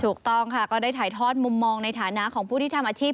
ถูกต้องค่ะก็ได้ถ่ายทอดมุมมองในฐานะของผู้ที่ทำอาชีพ